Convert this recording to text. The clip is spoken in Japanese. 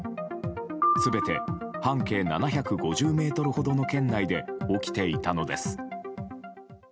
全て半径７５０ｍほどの圏内で起きていたのです。